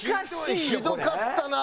ひどかったな。